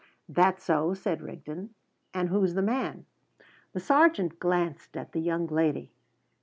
"That so?" said Rigden. "And who's the man?" The sergeant glanced at the young lady.